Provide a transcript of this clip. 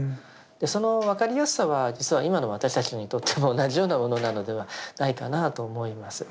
その分かりやすさは実は今の私たちにとっても同じようなものなのではないかなと思います。